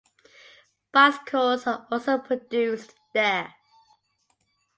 Bicycles are also produced there.